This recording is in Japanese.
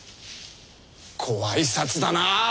ご挨拶だなあ。